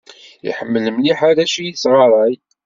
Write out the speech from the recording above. Iḥemmel mliḥ arrac i yesɣaṛay